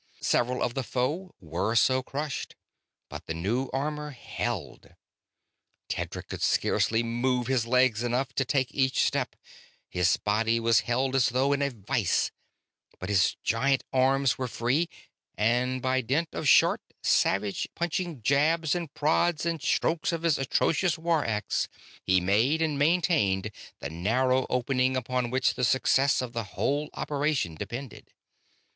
Several of the foe were so crushed, but the new armor held. Tedric could scarcely move his legs enough to take each step, his body was held as though in a vise, but his giant arms were free; and by dint of short, savage, punching jabs and prods and strokes of his atrocious war axe he made and maintained the narrow opening upon which the success of the whole operation depended.